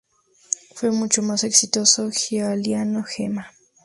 Fue mucho más exitoso Giuliano Gemma.